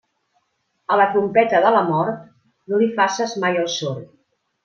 A la trompeta de la mort, no li faces mai el sord.